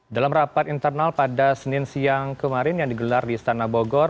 dalam rapat internal pada senin siang kemarin yang digelar di istana bogor